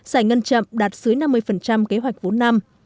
giải ngân chậm đạt dưới năm mươi kế hoạch vốn năm